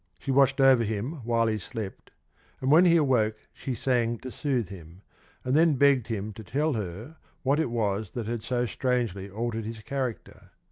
She watched over him while he slept, and when he awoke she sang to soothe him, and then begged him to tell her what it was that had so strangely altered his character.